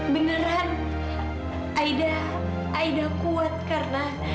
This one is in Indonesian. beneran aida kuat karena